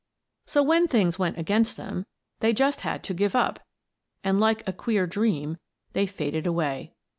So when things went against them, they just had to give up, and, like a queer dream, they faded away.